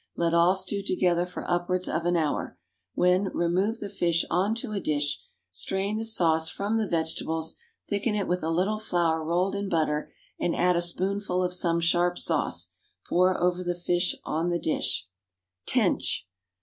Let all stew together for upwards of an hour, when remove the fish on to a dish, strain the sauce from the vegetables, thicken it with a little flour rolled in butter, and add a spoonful of some sharp sauce. Pour over the fish on the dish. =Tench.